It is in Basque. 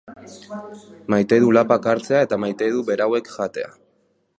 Maite du lapak hartzea eta maite du berauek jatea.